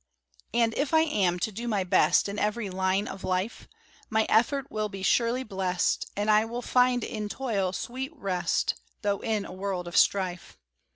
And if I am to do my best In every line of life, My effort will be surely blest, And I will find in toil sweet rest, Tho' in a world of strife.